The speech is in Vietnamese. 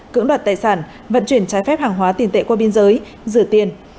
cưỡng đoạt tài sản vận chuyển trái phép hàng hóa tiền tệ qua biên giới rửa tiền